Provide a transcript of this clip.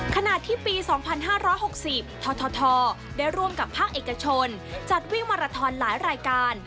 ขณะที่ปี๒๕๖๐ททได้ร่วมกับภาคเอกชนจัดวิ่งมาราทอนหลายรายการ